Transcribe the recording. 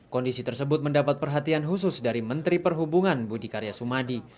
kondisi tersebut mendapat perhatian khusus dari menteri perhubungan budi karya sumadi